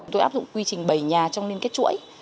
tôi áp dụng quy trình bảy nhà trong liên kết chuỗi